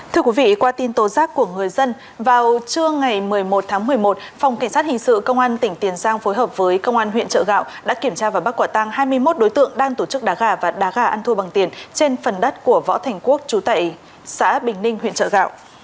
thưa quý vị qua tin tố giác của người dân vào trưa ngày một mươi một tháng một mươi một phòng cảnh sát hình sự công an tỉnh tiền giang phối hợp với công an huyện trợ gạo đã kiểm tra và bắt quả tăng hai mươi một đối tượng đang tổ chức đá gà và đá gà ăn thua bằng tiền trên phần đất của võ thành quốc trú tại xã bình ninh huyện trợ gạo